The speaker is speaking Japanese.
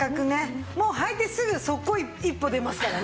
もう履いてすぐ即行一歩出ますからね。